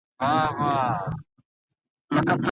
څه شي د یو هوسا او بریالي ژوند بنسټ جوړوي؟